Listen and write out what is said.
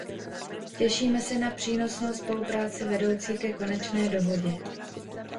Těšíme se na přínosnou spolupráci vedoucí ke konečné dohodě.